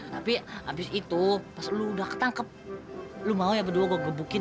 tapi abis itu pas lu udah ketangkep lo mau ya berdua gue gebukin